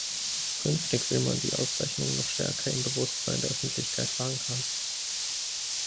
Künftig will man die Auszeichnung noch stärker im Bewusstsein der Öffentlichkeit verankern.